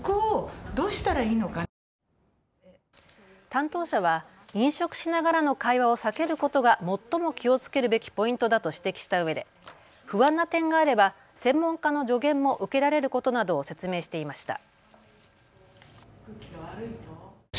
担当者は飲食しながらの会話を避けることが最も気をつけるべきポイントだと指摘したうえで不安な点があれば専門家の助言も受けられることなどを説明していました。